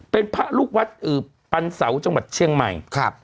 เป็นพระลูกวัดปันเสาจังหวัดเชียงใหม่